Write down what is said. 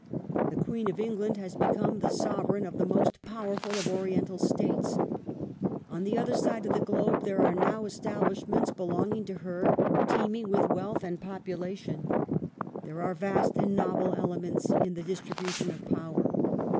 The Queen of England has become the Sovereign of the most powerful of Oriental States. On the other side of the globe there are now establishments belonging to her teeming with wealth and population. ... These ai*e vast and novel elements in the distribution of power.